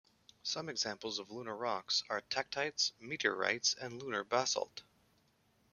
Some examples of lunar rocks are tektites, meteorites and lunar basalt.